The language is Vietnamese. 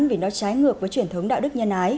vì nó trái ngược với truyền thống đạo đức nhân ái